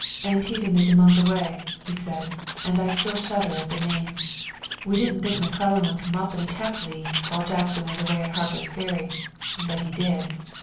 "Antietam is a month away," he said, "and I still shudder at the name. We didn't think McClellan would come up and attack Lee while Jackson was away at Harper's Ferry, but he did.